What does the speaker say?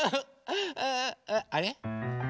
あれ？